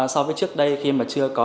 so với trước đây khi mà chưa có